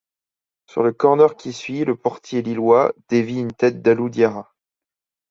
Sur le corner qui suit, le portier lillois dévit une tête d'Alou Diarra.